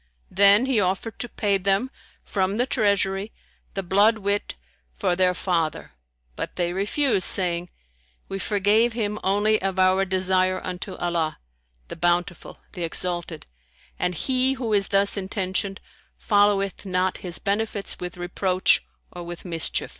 Then he offered to pay them, from the Treasury, the blood wit for their father; but they refused, saying, "We forgave him only of our desire unto Allah,[FN#151] the Bountiful, the Exalted; and he who is thus intentioned followeth not his benefits with reproach or with mischief."